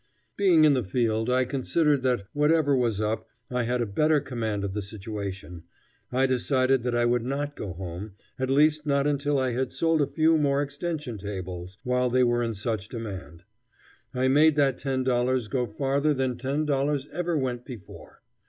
Being in the field I considered that, whatever was up, I had a better command of the situation. I decided that I would not go home, at least not until I had sold a few more extension tables while they were in such demand. I made that $10 go farther than $10 ever went before.